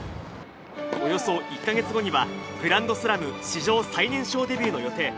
およそ１か月後には、グランドスラム史上最年少デビューの予定。